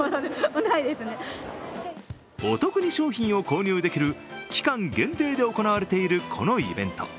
お得に商品を購入できる期間限定で行われているこのイベント。